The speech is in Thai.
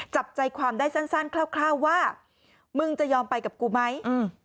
จับใจความได้สั้นสั้นคร่าวว่ามึงจะยอมไปกับกูไหมอืม